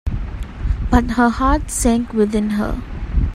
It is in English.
But her heart sank within her.